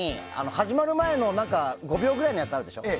始まる前の５秒ぐらいのやつあるでしょ。